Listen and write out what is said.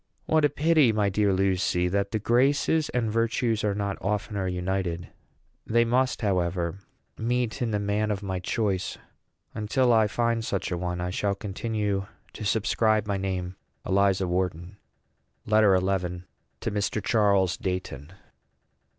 What a pity, my dear Lucy, that the graces and virtues are not oftener united! They must, however, meet in the man of my choice; and till I find such a one, I shall continue to subscribe my name ELIZA WHARTON. LETTER XI. TO MR. CHARLES DEIGHTON.